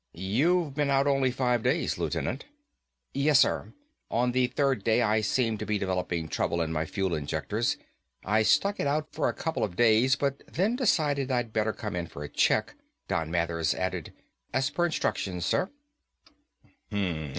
"You've been out only five days, Lieutenant." "Yes, sir, on the third day I seemed to be developing trouble in my fuel injectors. I stuck it out for a couple of days, but then decided I'd better come in for a check." Don Mathers added, "As per instructions, sir."